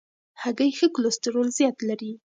هګۍ ښه کلسترول زیات لري.